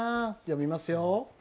読みますよ。